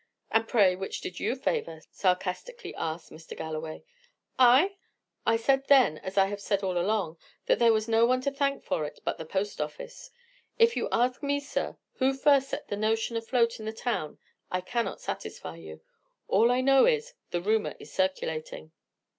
"And pray, which did you favour?" sarcastically asked Mr. Galloway. "I? I said then, as I have said all along, that there was no one to thank for it but the post office. If you ask me, sir, who first set the notion afloat in the town, I cannot satisfy you. All I know is, the rumour is circulating."